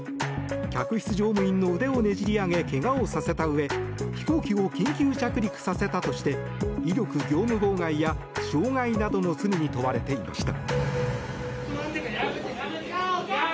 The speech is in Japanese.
客室乗務員の腕をねじり上げけがをさせたうえ飛行機を緊急着陸させたとして威力業務妨害や傷害などの罪に問われていました。